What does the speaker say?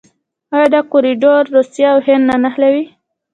آیا دا کوریډور روسیه او هند نه نښلوي؟